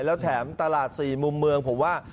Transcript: แล้วแถมตลาด๔มุมเมืองผมว่า